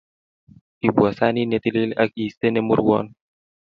ibwo sanit netilil ak iiste ne murwon